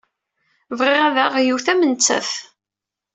Bɣiɣ ad aɣeɣ yiwet am nettat.